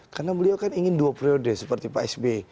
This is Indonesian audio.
karena beliau kan ingin dua prioritas seperti pak s b